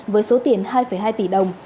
với số tiền hai hai tỷ đồng